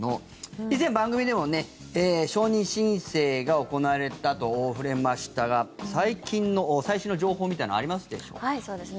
以前、番組でも承認申請が行われたと触れましたが最近の、最新の情報みたいのありますでしょうか。